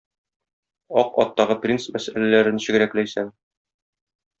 Ак аттагы принц мәсьәләләре ничегрәк, Ләйсән?